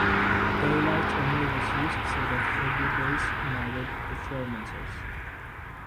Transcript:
Daylight only was used so that foggy days marred performances.